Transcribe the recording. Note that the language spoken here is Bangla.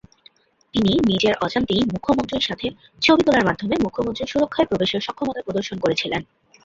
তিনি নিজের অজান্তেই মুখ্যমন্ত্রীর সাথে ছবি তোলার মাধ্যমে মুখ্যমন্ত্রীর সুরক্ষায় প্রবেশের সক্ষমতা প্রদর্শন করেছিলেন।